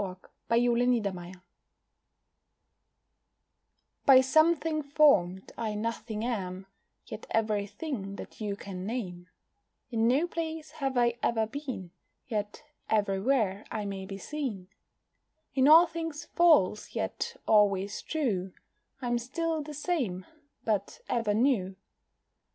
ON A SHADOW IN A GLASS; By something form'd, I nothing am, Yet everything that you can name; In no place have I ever been, Yet everywhere I may be seen; In all things false, yet always true, I'm still the same but ever new.